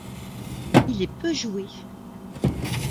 Il est peu joué.